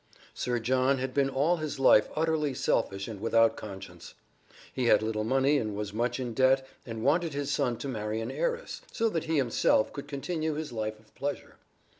Sir John had been all his life utterly selfish and without conscience. He had little money and was much in debt and wanted his son to marry an heiress, so that he himself could continue his life of pleasure.